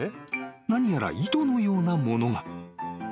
［何やら糸のようなものが］